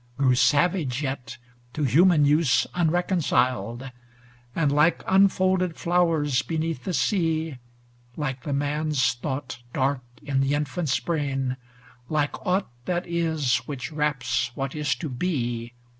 Grew savage yet, to human use unrecon ciled ; And, like unfolded flowers beneath the sea, Like the man's thought dark in the in fant's brain. Like aught that is which wraps what is to be.